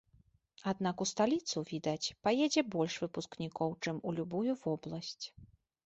Аднак ў сталіцу, відаць, паедзе больш выпускнікоў, чым у любую вобласць.